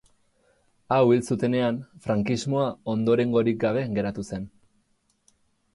Hau hil zutenean, frankismoa ondorengorik gabe geratu zen.